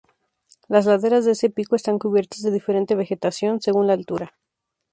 Las laderas de este pico están cubiertas de diferente vegetación, según la altura.